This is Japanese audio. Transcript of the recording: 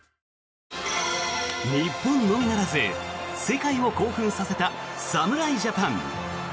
日本のみならず世界を興奮させた侍ジャパン。